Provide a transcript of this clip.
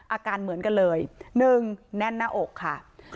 อาการเหมือนกันเลย๑แน่นหน้าอกค่ะ